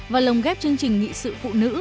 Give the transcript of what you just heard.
và lồng ghép chương trình nghị sự phụ nữ